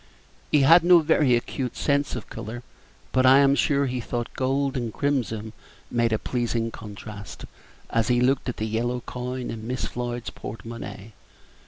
He had no very acute sense of color; but I am sure that he thought gold and crimson made a pleasing contrast, as he looked at the yellow coin in Miss Floyd's porte monnaie.